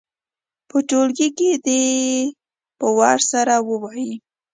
په ټولګي کې دې یې په وار سره ووايي.